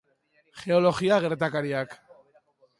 Geologia-gertakariak.